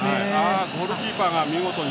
ゴールキーパーが見事に。